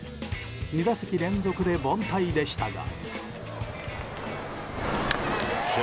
２打席連続で凡退でしたが。